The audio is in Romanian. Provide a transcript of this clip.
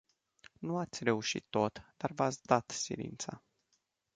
Nu ați reușit tot, dar v-ați dat silința.